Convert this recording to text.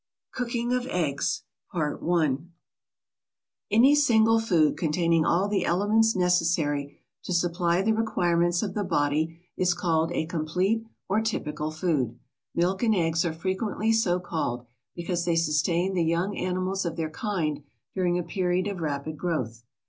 COOKING OF EGGS Any single food containing all the elements necessary to supply the requirements of the body is called a complete or typical food. Milk and eggs are frequently so called, because they sustain the young animals of their kind during a period of rapid growth.